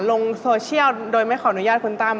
ลงโซเชียลโดยไม่ขออนุญาตคุณตั้ม